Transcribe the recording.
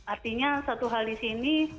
artinya satu hal di sini